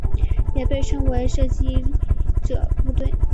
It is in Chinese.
也被称为射击者部队。